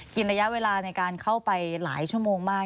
ระยะเวลาในการเข้าไปหลายชั่วโมงมาก